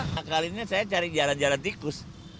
nah kali ini saya cari jalan jalan tikus